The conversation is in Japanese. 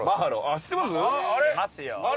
知ってます。